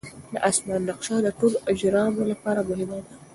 د اسمان نقشه د ټولو اجرامو لپاره مهمه ده.